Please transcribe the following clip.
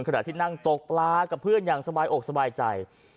ขณะที่นั่งตกปลากับเพื่อนอย่างสบายอกสบายใจ